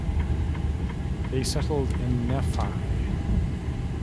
They settled in Nephi.